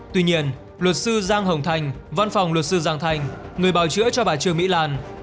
tuy nhiên luật sư giang hồng thành văn phòng luật sư giang thành người bảo chữa cho bà trương mỹ lan